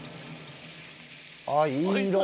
あいい色。